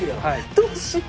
どうしよう。